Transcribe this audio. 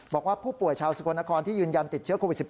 บอกว่าผู้ป่วยชาวสกลนครที่ยืนยันติดเชื้อโควิด๑๙